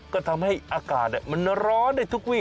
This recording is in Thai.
ก็ทำให้อากาศมันร้อนได้ทุกวี่